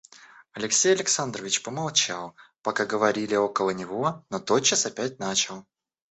Алексей Александрович помолчал, пока говорили около него, но тотчас опять начал.